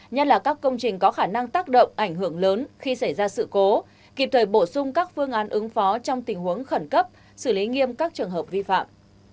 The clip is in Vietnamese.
nhất là các công trình có khả năng tác động ảnh hưởng lớn khi xảy ra sự cố kịp thời bổ sung các phương án ứng phó trong tình huống khẩn cấp xử lý nghiêm các trường hợp vi phạm